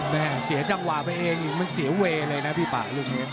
แม่เสียจังหวะไปเองมันเสียเวย์เลยนะพี่ป่าลูกนี้